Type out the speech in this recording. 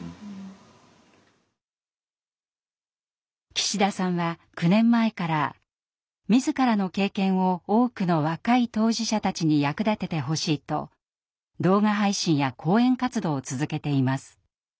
岸田さんは９年前から自らの経験を多くの若い当事者たちに役立ててほしいと動画配信や講演活動を続けています。